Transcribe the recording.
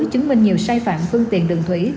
chứng minh nhiều sai phạm phương tiện đường thủy